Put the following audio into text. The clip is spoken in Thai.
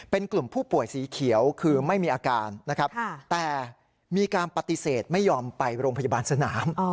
เป็นกลุ่มผู้ป่วยสีเขียวคือไม่มีอาการนะครับแต่มีการปฏิเสธไม่ยอมไปโรงพยาบาลสนาม